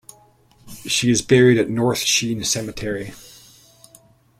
She is buried at North Sheen Cemetery.